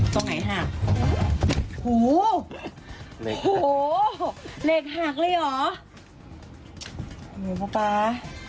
ตรงไหนหักโหโหเล็กหักเลยหรอโอ้โหป๊าป๊า